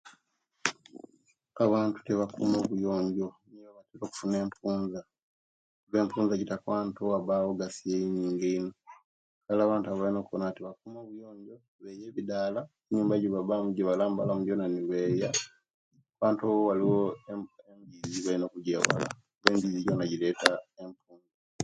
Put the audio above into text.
Abantu tibataka obuyonjo okufuna enfuza enfuzza jitaka wantu ewabawo ogasia munjino kale abantu baline okubona inti ekidala ne nyumba ejibalambalamu Jona nibeya awantu ejijiriwo embizi Jonathan jireta enfunza